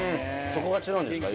そこが違うんですか？